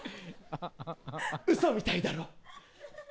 ウソみたいだろ。